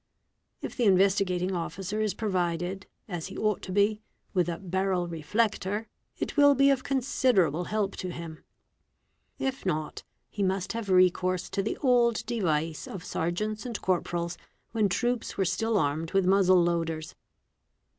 | If the Investigating Officer is provided, as he ought to be, with a " barrel reflector,'' Fig 52, it will be of considerable help to him; if not, he =. must have recourse to the old device of ; sergeants and corporals, when troops were still armed with muzzle loaders.